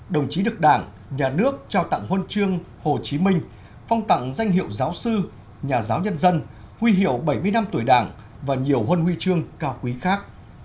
đồng chí được đảng nhà nước trao tặng huân chương hồ chí minh phong tặng danh hiệu giáo sư nhà giáo nhân dân huy hiệu bảy mươi năm tuổi đảng và nhiều huân huy chương cao quý khác